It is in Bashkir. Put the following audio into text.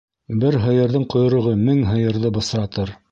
Бер һыйырҙың ҡойроғо мең һыйырҙы бысратыр.